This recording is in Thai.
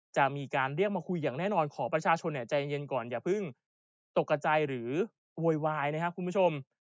จะมีการเรียกมาคุยอย่างแน่นอนขอประชาชนใจเย็นก่อนอย่าเพิ่งตกกระจายหรือโวยวายนะครับคุณผู้ชม